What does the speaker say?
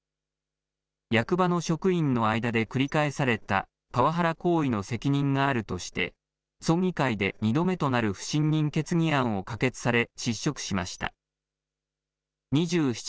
役場の職員の間で繰り返されたパワハラ行為の責任があるとして、村議会で２度目となる不信任決議案を可決され、失職しました。